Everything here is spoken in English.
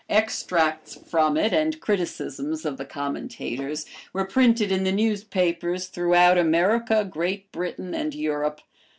Extracts from it, and criticisms of the commentators, were printed in the newspapers throughout America, Great Britain, and Europe.